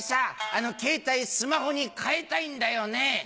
あのケータイスマホに替えたいんだよね」。